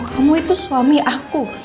kamu itu suami aku